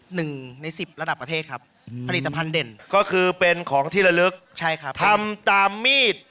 หนึ่งในสิบระดับประเทศครับ